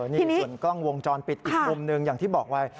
นี่ส่วนกล้องวงจรปิดอีกมุมหนึ่งอย่างที่บอกไว้